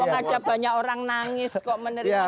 kok ngecap banyak orang nangis kok menerima